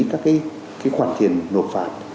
các cái khoản thiền nộp phạt